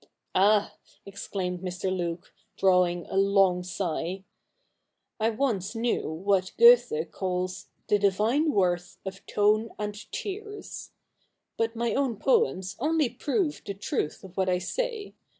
' Ah !' exclaimed Mr. Luke, drawing a long sigh, ' I once knew what Goethe calls "the divine worth of tone and tears." But my own poems only prove the truth of what I say.